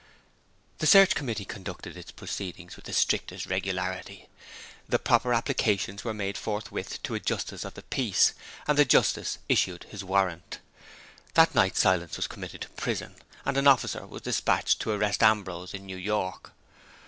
The search committee conducted its proceedings with the strictest regularity. The proper applications were made forthwith to a justice of the peace, and the justice issued his warrant. That night Silas was committed to prison; and an officer was dispatched to arrest Ambrose in New York.